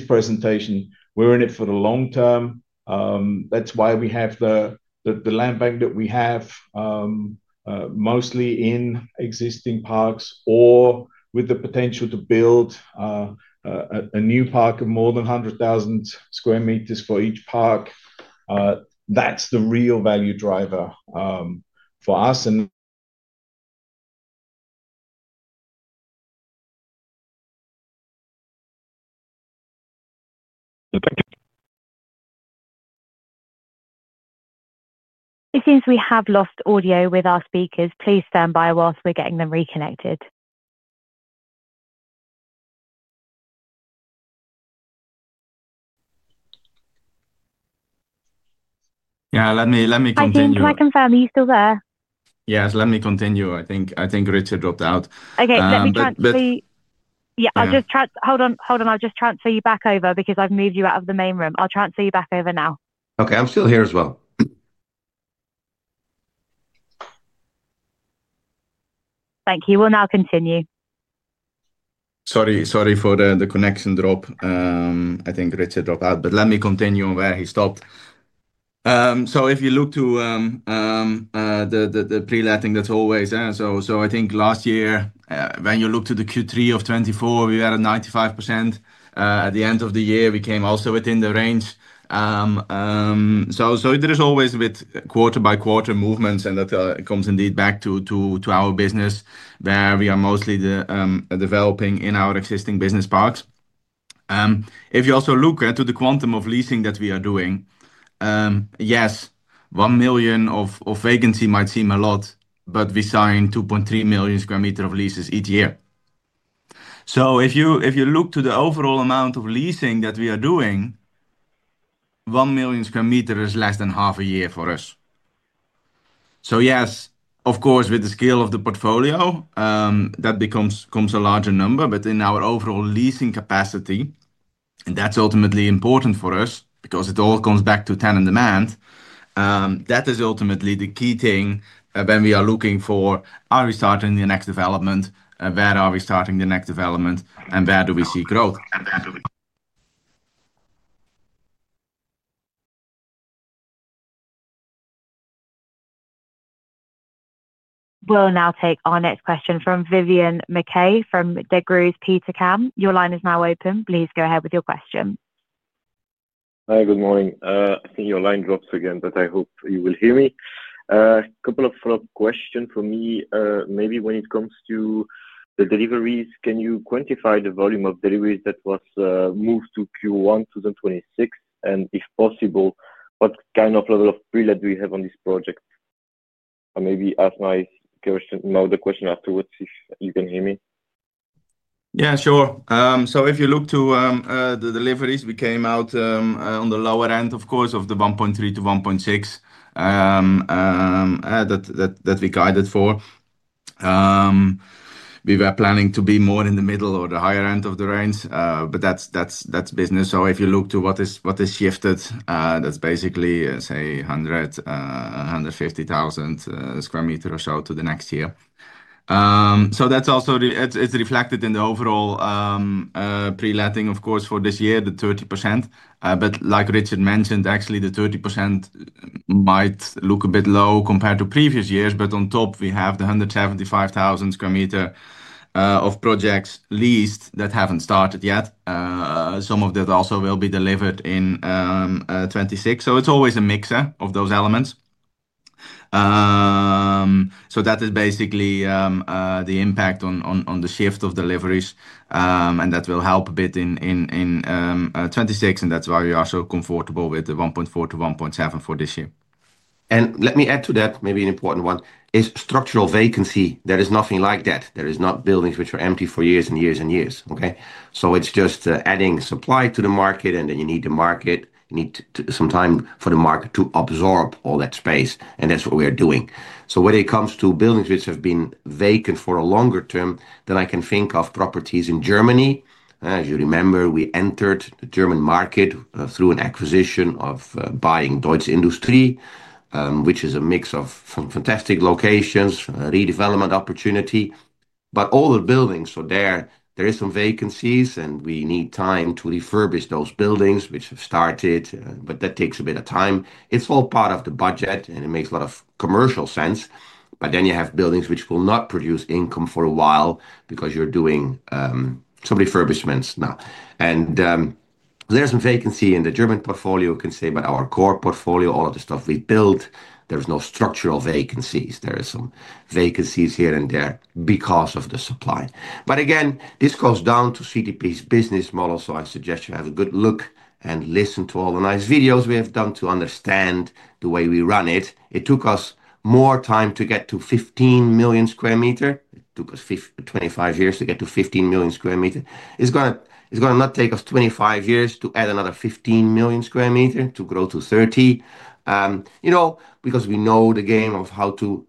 presentation, we're in it for the long term. That's why we have the land bank that we have, mostly in existing parks or with the potential to build a new park of more than 100,000 square meters for each park. That's the real value driver, for us. Okay. It seems we have lost audio with our speakers. Please stand by while we're getting them reconnected. Yeah, let me continue. Hi, Jim. Can I confirm, are you still there? Yes, let me continue. I think Richard dropped out. Okay. Let me. But, but- Yeah, Hold on. I'll just transfer you back over because I've moved you out of the main room. I'll transfer you back over now. Okay, I'm still here as well. Thank you. We'll now continue. Sorry for the connection drop. I think Richard dropped out, but let me continue on where he stopped. If you look to the pre-letting, that's always there. I think last year, when you look to the Q3 of 2024, we had a 95%. At the end of the year, we came also within the range. There is always with quarter by quarter movements, and that comes indeed back to our business, where we are mostly developing in our existing business parks. If you also look at to the quantum of leasing that we are doing, yes, 1 million of vacancy might seem a lot, but we sign 2.3 million square meter of leases each year. If you, if you look to the overall amount of leasing that we are doing, 1 million square meter is less than half a year for us. Yes, of course, with the scale of the portfolio, that becomes a larger number, but in our overall leasing capacity, and that's ultimately important for us because it all comes back to tenant demand. That is ultimately the key thing, when we are looking for are we starting the next development? Where are we starting the next development, and where do we see growth? We'll now take our next question from Vivien Maquet from Degroof Petercam. Your line is now open. Please go ahead with your question. Hi, good morning. I think your line drops again, but I hope you will hear me. Couple of follow-up question for me. Maybe when it comes to the deliveries, can you quantify the volume of deliveries that was moved to Q1 2026? If possible, what kind of level of pre-let do we have on this project? Maybe ask my question, now the question afterwards, if you can hear me. Yeah, sure. If you look to the deliveries, we came out on the lower end, of course, of the 1.3-1.6 that we guided for. We were planning to be more in the middle or the higher end of the range, but that's business. If you look to what is shifted, that's basically, say, 150,000 sq m or so to the next year. That's also reflected in the overall pre-letting, of course, for this year, the 30%. Like Richard mentioned, actually, the 30% might look a bit low compared to previous years, but on top, we have the 175,000 square meter of projects leased that haven't started yet. Some of that also will be delivered in 2026. It's always a mix of those elements. That is basically the impact on the shift of deliveries. That will help a bit in 2026, and that's why we are so comfortable with the 1.4-1.7 for this year. Let me add to that, maybe an important one, is structural vacancy. There is nothing like that. There is not buildings which are empty for years and years and years, okay? It's just adding supply to the market, you need some time for the market to absorb all that space, and that's what we are doing. When it comes to buildings which have been vacant for a longer term, I can think of properties in Germany. As you remember, we entered the German market through an acquisition of buying Deutsche Industrie, which is a mix of some fantastic locations, redevelopment opportunity. All the buildings are there. There is some vacancies, and we need time to refurbish those buildings, which have started, that takes a bit of time. It's all part of the budget. It makes a lot of commercial sense. You have buildings which will not produce income for a while because you're doing some refurbishments now. There's some vacancy in the German portfolio, you can say, but our core portfolio, all of the stuff we built, there's no structural vacancies. There is some vacancies here and there because of the supply. Again, this goes down to CTP's business model, so I suggest you have a good look and listen to all the nice videos we have done to understand the way we run it. It took us more time to get to 15 million square meter. It took us 25 years to get to 15 million square meter. It's gonna not take us 25 years to add another 15 million square meter to grow to 30. you know, because we know the game of how to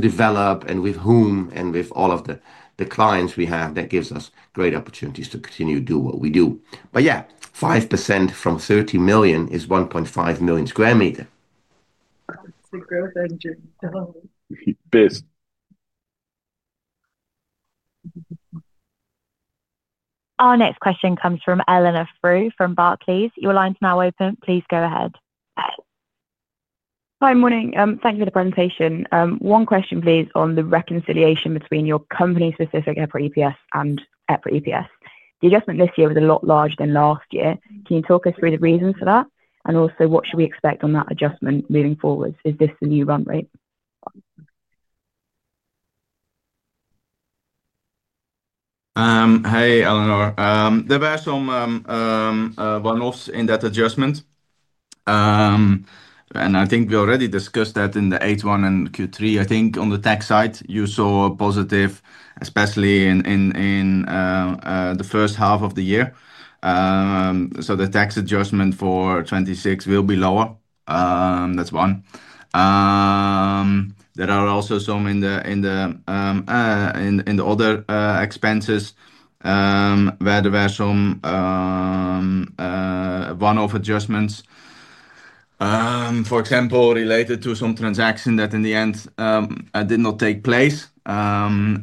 develop and with whom, and with all of the clients we have, that gives us great opportunities to continue to do what we do. Yeah, 5% from 30 million is 1.5 million square meter. The growth engine. Best. Our next question comes from Eleanor Frew from Barclays. Your line is now open. Please go ahead. Hi, morning. Thank you for the presentation. One question, please, on the reconciliation between your company's specific EPS and EPRA EPS. The adjustment this year was a lot larger than last year. Can you talk us through the reasons for that? What should we expect on that adjustment moving forward? Is this the new run rate? Hi, Eleonor. There were some one-offs in that adjustment. I think we already discussed that in the H1 and Q3. I think on the tax side, you saw a positive, especially in the first half of the year. The tax adjustment for 26 will be lower. That's one. There are also some in the other expenses, where there were some one-off adjustments. For example, related to some transaction that in the end did not take place,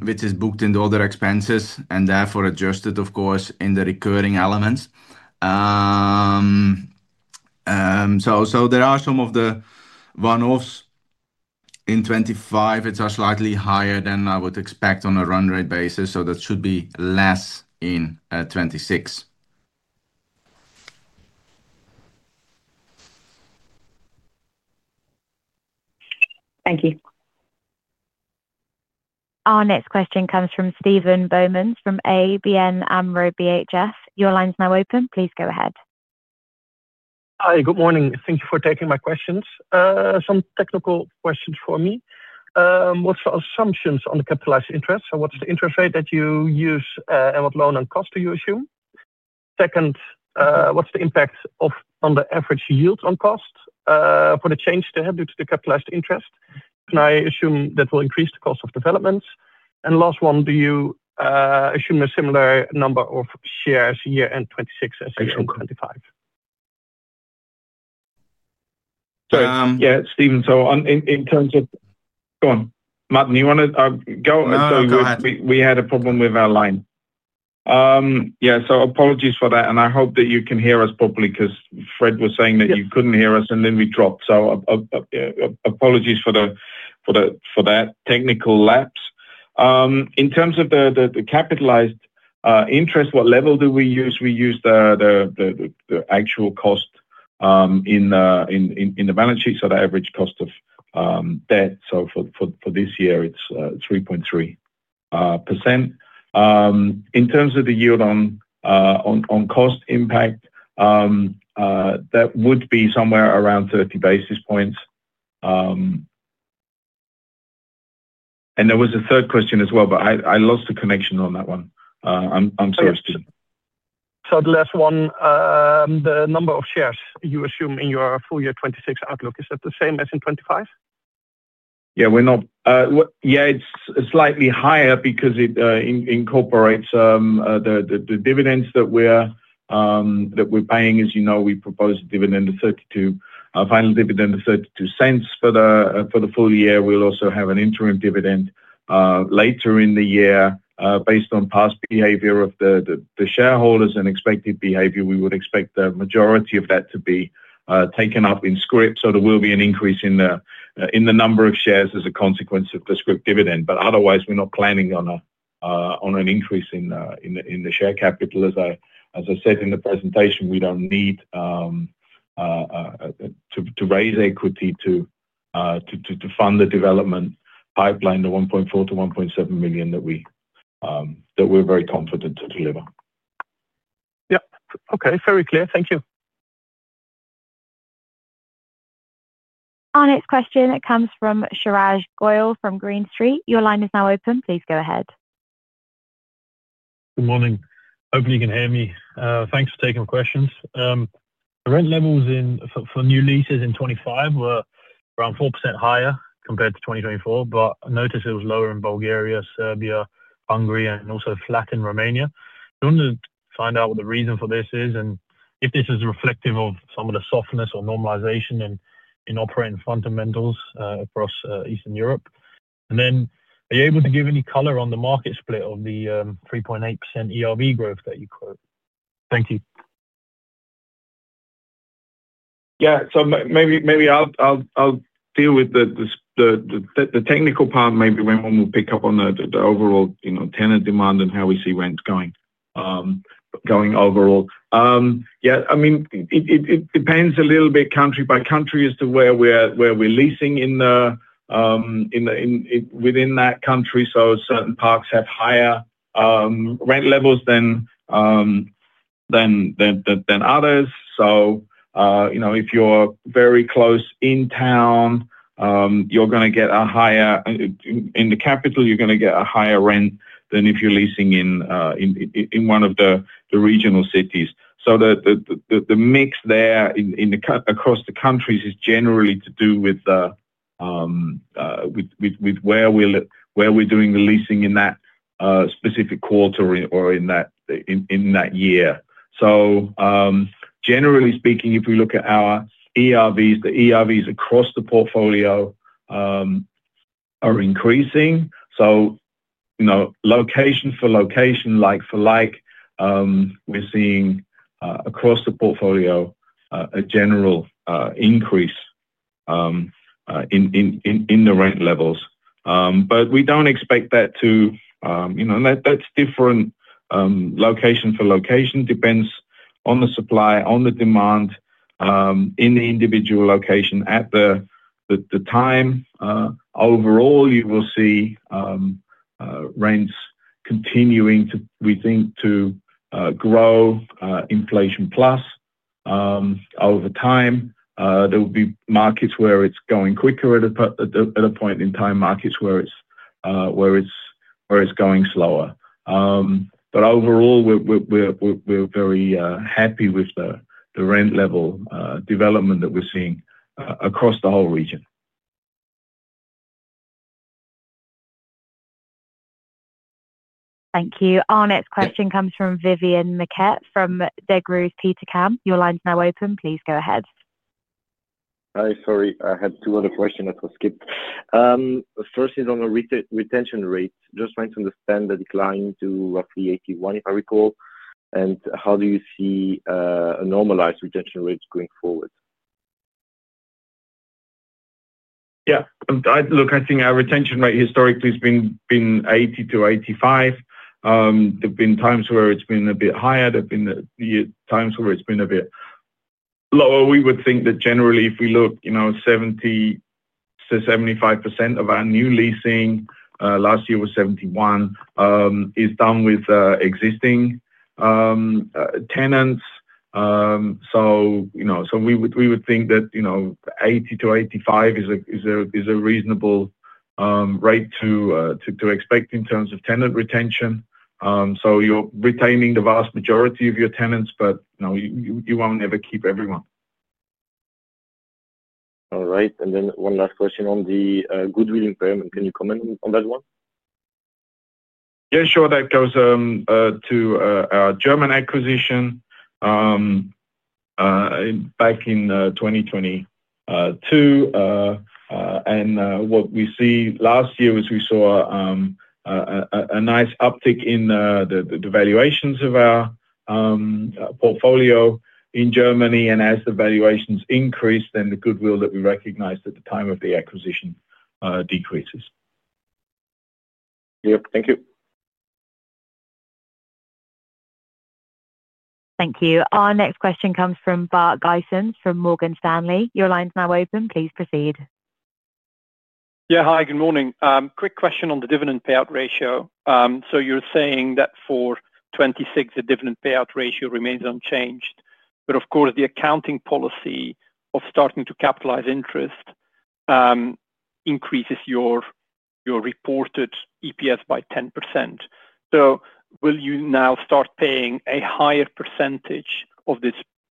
which is booked into other expenses and therefore adjusted, of course, in the recurring elements. There are some of the one-offs in 2025, which are slightly higher than I would expect on a run rate basis, so that should be less in 2026. Thank you. Our next question comes from Steven Boumans from ABN AMRO ODDO BHF. Your line is now open. Please go ahead. Hi, good morning. Thank you for taking my questions. Some technical questions for me. What's the assumptions on the capitalized interest? What's the interest rate that you use, and what loan and cost do you assume? Second, what's the impact of on the average yield on cost, for the change there due to the capitalized interest? Can I assume that will increase the cost of developments? Last one, do you assume a similar number of shares year end 2026 as year end 2025? Yeah, Steven, so on in terms of... Go on, Maarten, you want to go? No, go ahead. We had a problem with our line. Yeah, so apologies for that, and I hope that you can hear us properly, because Fred was saying. Yes. You couldn't hear us, and then we dropped. Apologies for that technical lapse. In terms of the capitalized interest, what level do we use? We use the actual cost in the balance sheet, so the average cost of debt. For this year, it's 3.3%. In terms of the yield on cost impact, that would be somewhere around 30 basis points. There was a third question as well, but I lost the connection on that one. I'm sorry, Steven. The last one, the number of shares you assume in your full year 2026 outlook, is that the same as in 2025? We're not... Well, yeah, it's slightly higher because it incorporates the dividends that we're paying. As you know, we propose a dividend of 0.32, a final dividend of 0.32 for the full year. We'll also have an interim dividend later in the year based on past behavior of the shareholders and expected behavior. We would expect the majority of that to be taken up in scrip, so there will be an increase in the number of shares as a consequence of the scrip dividend. Otherwise, we're not planning on an increase in the share capital. As I said in the presentation, we don't need to raise equity to fund the development pipeline, the 1.4 million-1.7 million that we're very confident to deliver. Yeah. Okay, very clear. Thank you. Our next question comes from Suraj Goyal from Green Street. Your line is now open. Please go ahead. Good morning. Hopefully, you can hear me. Thanks for taking my questions. The rent levels for new leases in 2025 were around 4% higher compared to 2024. I noticed it was lower in Bulgaria, Serbia, Hungary, and also flat in Romania. I wanted to find out what the reason for this is, and if this is reflective of some of the softness or normalization in operating fundamentals across Eastern Europe. Are you able to give any color on the market split of the 3.8% ERV growth that you quote? Thank you. Yeah. Maybe, maybe I'll deal with the technical part, maybe Wenwen will pick up on the overall, you know, tenant demand and how we see rents going overall. Yeah, I mean, it depends a little bit country by country as to where we're leasing in within that country. Certain parks have higher rent levels than others. You know, if you're very close in town, In the capital, you're gonna get a higher rent than if you're leasing in one of the regional cities. The mix there across the countries is generally to do with the with where we're doing the leasing in that specific quarter or in that year. Generally speaking, if we look at our ERVs, the ERVs across the portfolio are increasing. You know, location for location, like for like, we're seeing across the portfolio a general increase in the rent levels. We don't expect that to, you know, that's different location to location, depends on the supply, on the demand in the individual location at the time. Overall, you will see rents continuing to, we think, to grow, inflation plus over time. There will be markets where it's going quicker at a point in time, markets where it's going slower. Overall, we're very happy with the rent level development that we're seeing across the whole region. Thank you. Our next question comes from Vivien Maquet, from Degroof Petercam. Your line's now open, please go ahead. Hi, sorry. I had two other questions that were skipped. First is on the retention rate. Just trying to understand the decline to roughly 81, if I recall, and how do you see a normalized retention rates going forward? Yeah, look, I think our retention rate historically has been 80 to 85%. There have been times where it's been a bit higher, there have been the times where it's been a bit lower. We would think that generally, if we look, you know, 70 to 75% of our new leasing last year was 71%, is done with existing tenants. You know, we would think that, you know, 80 to 85% is a reasonable rate to expect in terms of tenant retention. You're retaining the vast majority of your tenants, but, you know, you won't ever keep everyone. All right. Then one last question on the goodwill impairment. Can you comment on that one? Yeah, sure. That goes to our German acquisition back in 2022. What we see last year was we saw a nice uptick in the valuations of our portfolio in Germany, and as the valuations increase, then the goodwill that we recognized at the time of the acquisition decreases. Yeah. Thank you. Thank you. Our next question comes from Bart Gysens, from Morgan Stanley. Your line is now open. Please proceed. Yeah, hi, good morning. Quick question on the dividend payout ratio. You're saying that for 2026, the dividend payout ratio remains unchanged, but of course, the accounting policy of starting to capitalize interest, increases your reported EPS by 10%. Will you now start paying a higher percentage of this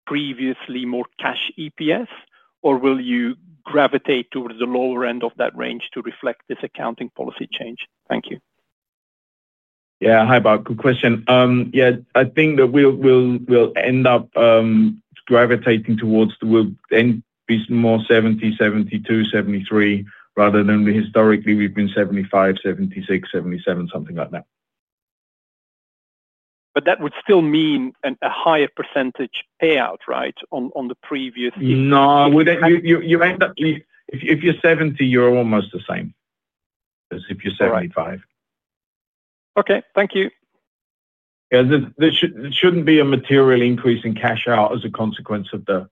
previously more cash EPS, or will you gravitate towards the lower end of that range to reflect this accounting policy change? Thank you. Yeah. Hi, Bart. Good question. Yeah, I think that we'll end up gravitating towards. We'll then be more 70, 72, 73, rather than historically, we've been 75, 76, 77, something like that. that would still mean a higher percentage payout, right, on the previous- No, well, you end up if you're 70, you're almost the same as if you're 75. Right. Okay, thank you. Yeah, there shouldn't be a material increase in cash out as a consequence of the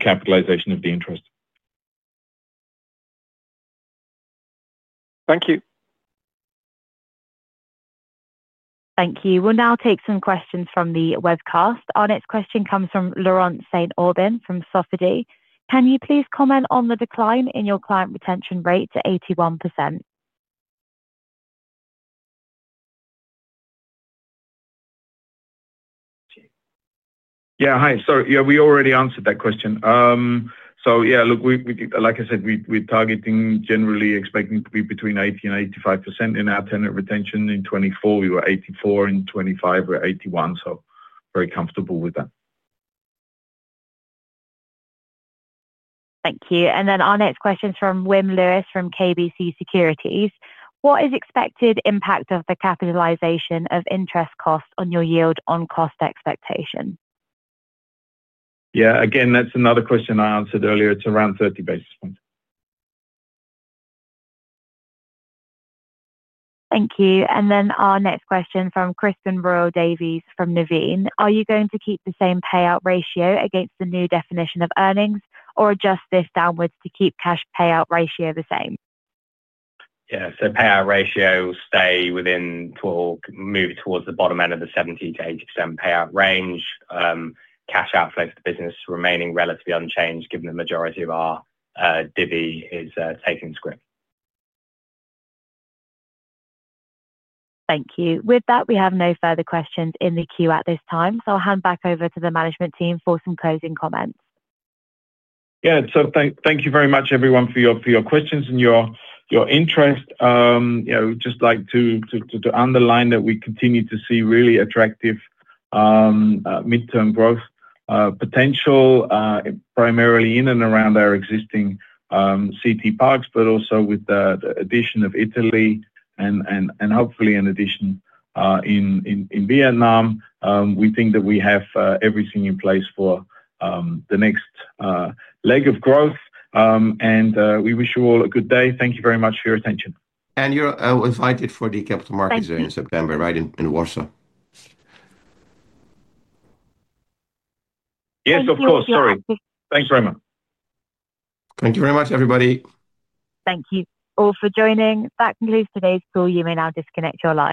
capitalization of the interest. Thank you. Thank you. We'll now take some questions from the webcast. Our next question comes from Laurent Saint-Aubin, from Sofidy. Can you please comment on the decline in your client retention rate to 81%? Yeah. Hi. We already answered that question. Look, we, like I said, we're targeting, generally expecting to be between 80 to 85% in our tenant retention. In 2024, we were 84%, in 2025, we're 81%, very comfortable with that. Thank you. Our next question is from Wim Lewi from KBC Securities. What is expected impact of the capitalization of interest costs on your yield on cost expectation? Yeah, again, that's another question I answered earlier. It's around 30 basis points. Thank you. Our next question from Crispin Royle-Davies, from Nuveen. Are you going to keep the same payout ratio against the new definition of earnings or adjust this downwards to keep cash payout ratio the same? Yeah, payout ratio will stay within or move towards the bottom end of the 70 to 80% payout range. Cash outflows to business remaining relatively unchanged, given the majority of our divvy is taking scrip. Thank you. With that, we have no further questions in the queue at this time. I'll hand back over to the management team for some closing comments. Yeah. Thank you very much, everyone, for your questions and your interest. you know, just like to underline that we continue to see really attractive, midterm growth potential, primarily in and around our existing CTParks, but also with the addition of Italy and hopefully an addition in Vietnam. We think that we have everything in place for the next leg of growth. We wish you all a good day. Thank you very much for your attention. You're invited for the Capital Markets Day. Thank you. In September, right in Warsaw. Yes, of course. Sorry. Thank you. Thanks very much. Thank you very much, everybody. Thank you all for joining. That concludes today's call. You may now disconnect your lines.